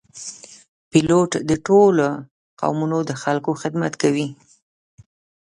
پیلوټ د ټولو قومونو د خلکو خدمت کوي.